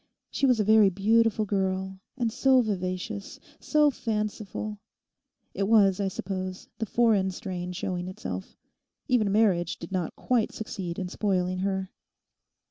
She was a very beautiful girl, and so vivacious, so fanciful—it was, I suppose the foreign strain showing itself. Even marriage did not quite succeed in spoiling her.